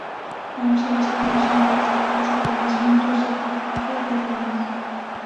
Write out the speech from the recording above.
Aún se desconocen la existencia de más mundos, seguramente haya más.